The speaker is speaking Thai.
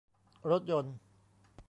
รถยนต์